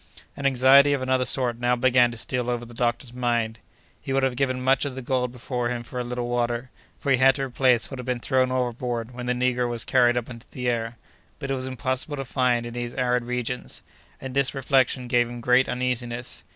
An anxiety of another sort now began to steal over the doctor's mind. He would have given much of the gold before him for a little water—for he had to replace what had been thrown overboard when the negro was carried up into the air. But it was impossible to find it in these arid regions; and this reflection gave him great uneasiness.